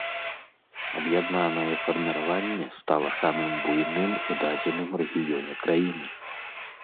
Аб'яднанае фарміраванне стала самым буйным у дадзеным рэгіёне краіны.